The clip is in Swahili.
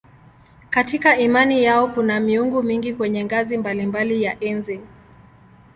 Katika imani yao kuna miungu mingi kwenye ngazi mbalimbali ya enzi.